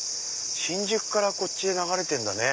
新宿からこっちへ流れてんだね。